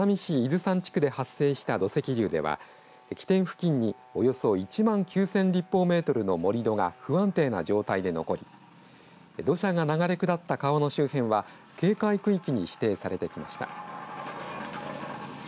おととし７月に熱海市伊豆山地区で発生した土石流ては起点付近におよそ１万９０００立方メートルの盛り土が不安定な状態で残り土砂が流れ下った川の周辺は警戒区域に指定されてきました。